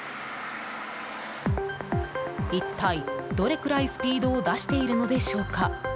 一体、どれくらいスピードを出しているのでしょうか。